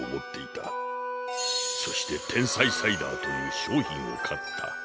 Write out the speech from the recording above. そして天才サイダーという商品を買った。